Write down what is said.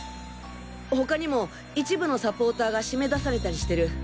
他にも一部のサポーターが締め出されたりしてる。